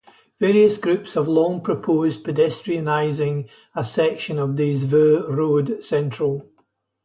Various groups have long proposed pedestrianising a section of Des Voeux Road Central.